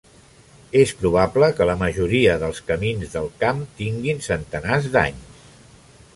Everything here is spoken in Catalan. És probable que la majoria dels camins del camp tinguin centenars d'anys.